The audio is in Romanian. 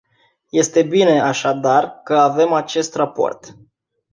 Este bine, așadar, că avem acest raport.